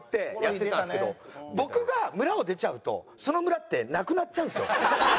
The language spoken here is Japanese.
僕が村を出ちゃうとその村ってなくなっちゃうんですよ。